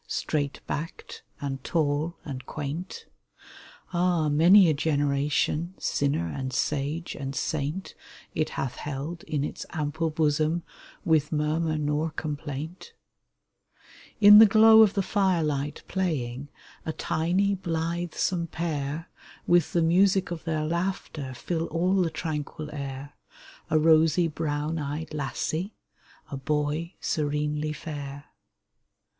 Straight backed and tall and quaint ; Ah ! many a generation — Sinner and sage and saint — It hath held in its ample bosom With murmur nor complaint ! EVENTIDE 183 In the glow of the fire light playing, A tiny, blithesome pair, With the music of their laughter Fill all the tranquil air — A rosy, brown eyed lassie, A boy serenely fair.